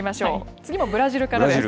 次もブラジルからです。